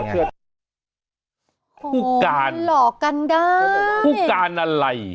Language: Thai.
หือหรอกกันได้หลอกกันคู่การอะไร